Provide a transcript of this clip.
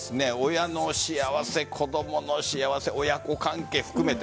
親の幸せ、子供の幸せ親子関係含めて。